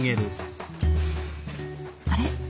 あれ？